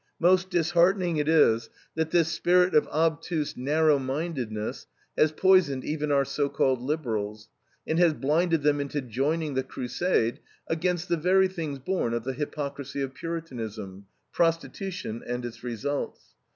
Most disheartening it is that this spirit of obtuse narrow mindedness has poisoned even our so called liberals, and has blinded them into joining the crusade against the very things born of the hypocrisy of Puritanism prostitution and its results.